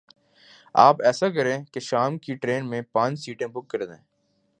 آپ ایسا کریں کے شام کی ٹرین میں پانچھ سیٹیں بک کر دیں۔